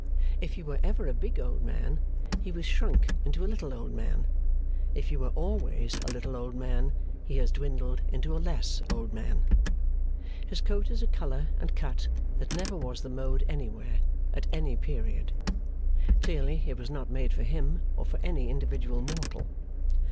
If he were ever a big old man, he has shrunk into a little old man; if he were always a little old man, he has dwindled into a less old man. His coat is a colour, and cut, that never was the mode anywhere, at any period. Clearly, it was not made for him, or for any individual mortal.